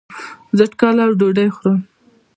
زه ټکله يا ډوډي خورم